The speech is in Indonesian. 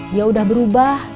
dia udah berubah